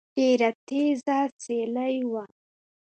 ډېره تېزه سيلۍ وه